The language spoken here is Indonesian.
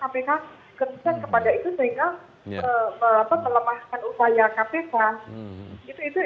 tapi kalau kpk gemesan kepada itu sehingga melemahkan upaya kpk